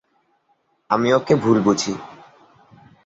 আমি ওকে ভুল বুঝি।